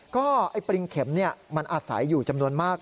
ก็ไอ้ปริงเข็มมันอาศัยอยู่จำนวนมาก